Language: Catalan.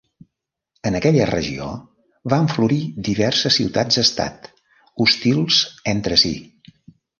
En aquella regió van florir diverses ciutats-estat hostils entre si.